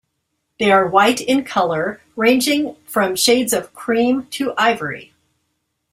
They are white in colour, ranging from shades of cream to ivory.